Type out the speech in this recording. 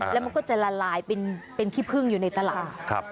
แล้วมันก็จะละลายเป็นขี้พึ่งอยู่ในตลาด